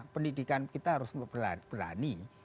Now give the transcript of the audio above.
pendidikan kita harus berani